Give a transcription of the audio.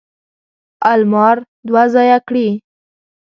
المار دوه ځایه کړي.